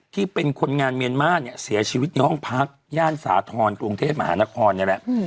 เป็นคนงานเมียนมาร์เนี่ยเสียชีวิตในห้องพักย่านสาธรณ์กรุงเทพมหานครนี่แหละ